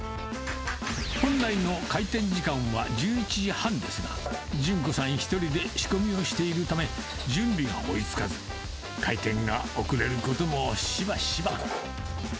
宝来の開店時間は１１時半ですが、順子さん一人で仕込みをしているため、準備が追いつかず、開店が遅れることもしばしば。